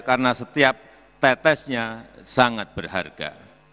karena setiap tetesnya sangat berharga